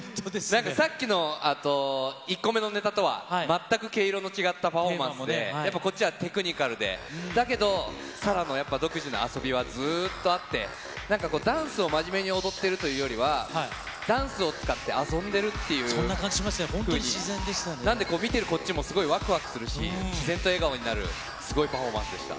なんか、さっきの１個目のネタとは全く毛色の違ったパフォーマンスで、やっぱりこっちはテクニカルで、だけど、ＳＡＬＡＨのやっぱ、独自の遊びはずっとあって、なんかこう、ダンスを真面目に踊っているというよりは、ダンスを使って遊んでそんな感じしましたよ、なんで、見てるこっちもわくわくするし、自然と笑顔になる、すごいパフォーマンスでした。